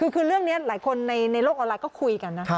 คือเรื่องนี้หลายคนในโลกออนไลน์ก็คุยกันนะ